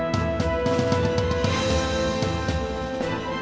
เมื่อ